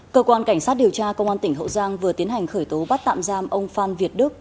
cơ quan cảnh sát điều tra công an tỉnh hậu giang vừa tiến hành khởi tố bắt tạm giam ông phan việt đức